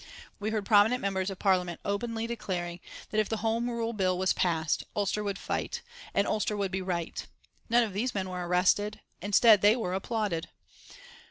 We heard prominent members of Parliament openly declaring that if the Home Rule Bill was passed Ulster would fight, and Ulster would be right. None of these men were arrested. Instead they were applauded.